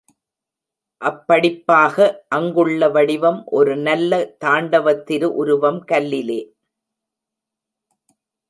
அப்படிப்பாக அங்குள்ள வடிவம் ஒரு நல்ல தாண்டவத் திரு உருவம் கல்லிலே.